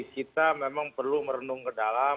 kita memang perlu merenung ke dalam